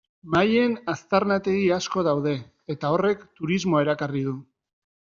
Maien aztarnategi asko daude, eta horrek turismoa erakarri du.